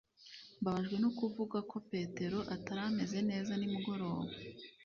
mbabajwe no kuvuga ko petero atari ameze neza nimugoroba.